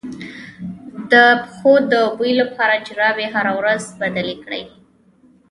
د پښو د بوی لپاره جرابې هره ورځ بدلې کړئ